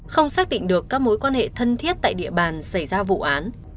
không xác định được các mối quan hệ thân thiết tại địa bàn xảy ra vụ án